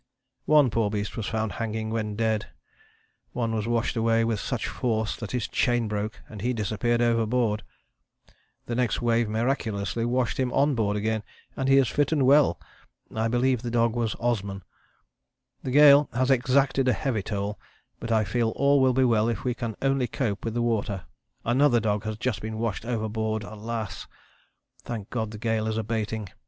One poor beast was found hanging when dead; one was washed away with such force that his chain broke and he disappeared overboard; the next wave miraculously washed him on board again and he is fit and well. [I believe the dog was Osman.] The gale has exacted heavy toll, but I feel all will be well if we can only cope with the water. Another dog has just been washed overboard alas! Thank God the gale is abating.